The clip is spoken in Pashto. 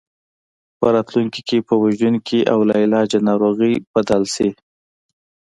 په راتلونکي کې په وژونکي او لاعلاجه ناروغۍ بدل شي.